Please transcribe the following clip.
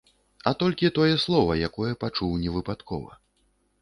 А толькі тое слова, якое пачуў невыпадкова.